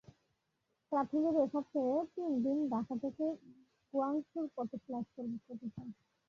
প্রাথমিকভাবে সপ্তাহে তিন দিন ঢাকা থেকে গুয়াংজুর পথে ফ্লাইট চালাবে প্রতিষ্ঠানটি।